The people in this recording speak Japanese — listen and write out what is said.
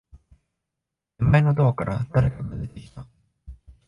手前のドアから、誰かが出てきた。